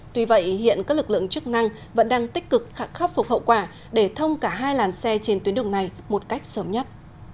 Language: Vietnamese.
tuy vậy hiện các lực lượng chức năng vẫn đang tích cực khắc phục hậu quả để thông cả hai làn xe trên tuyến đường này một cách sớm nhất